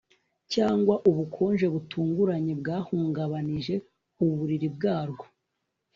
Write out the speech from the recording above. Cyangwa ubukonje butunguranye bwahungabanije uburiri bwarwo